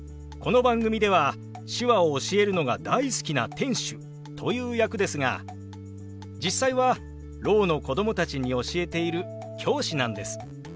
この番組では手話を教えるのが大好きな店主という役ですが実際はろうの子供たちに教えている教師なんです。